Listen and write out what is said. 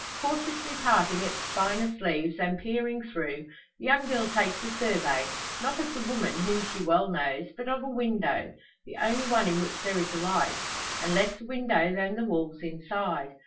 Cautiously parting its spinous leaves and peering through, the young girl takes a survey, not of the woman, whom she well knows, but of a window the only one in which there is a light. And less the window than the walls inside.